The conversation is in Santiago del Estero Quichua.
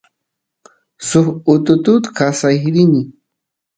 suk ututut kasay rini